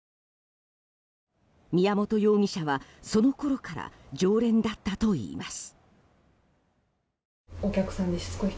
宮本容疑者はそのころから常連だったといいます。